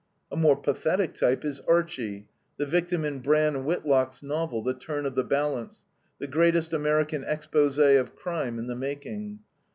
A more pathetic type is Archie, the victim in Brand Whitlock's novel, THE TURN OF THE BALANCE, the greatest American expose of crime in the making.